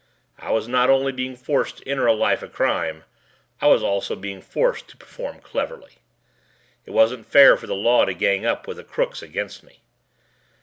I was not only being forced to enter a life of crime, I was also being forced to perform cleverly. It wasn't fair for the law to gang up with the crooks against me.